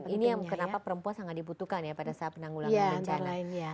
ini yang kenapa perempuan sangat dibutuhkan ya pada saat penanggulangan bencana